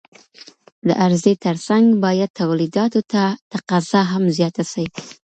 د عرضې ترڅنګ بايد توليداتو ته تقاضا هم زياته سي.